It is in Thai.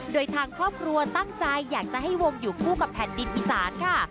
โดยทางครอบครัวตั้งใจอยากจะให้วงอยู่คู่กับแผ่นดินอีสานค่ะ